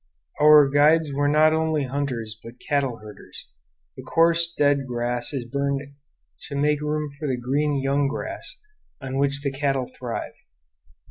Our guides were not only hunters but cattle herders. The coarse dead grass is burned to make room for the green young grass on which the cattle thrive.